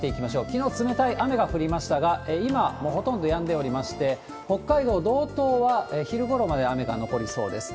きのう、冷たい雨が降りましたが、今、もうほとんどやんでおりまして、北海道道東は昼ごろまで雨が残りそうです。